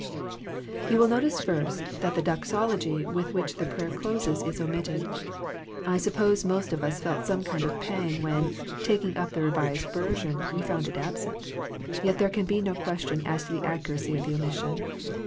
You will notice first that the doxology with which the prayer closes is omitted. I suppose most of us felt some kind of a pang when, taking up the Kevised Version, we found it absent. Yet there can be no question as to the accuracy of the omission.